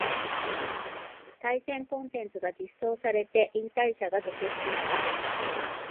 対戦コンテンツが実装されて引退者が続出した